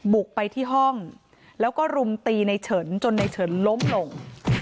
บุกไปที่ห้องแล้วก็รุมตีในเฉินจนในเฉินล้มลง